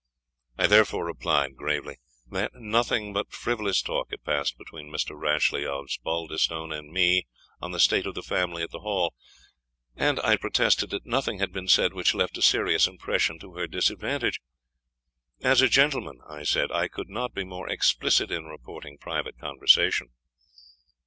I therefore replied, gravely, "that nothing but frivolous talk had passed between Mr. Rashleigh Osbaldistone and me on the state of the family at the Hall; and I protested, that nothing had been said which left a serious impression to her disadvantage. As a gentleman," I said, "I could not be more explicit in reporting private conversation."